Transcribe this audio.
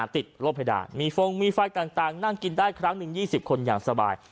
ติดโรคเพดานมีฟงมีไฟต่างนั่งกินได้ครั้งหนึ่ง๒๐คนอย่างสบาย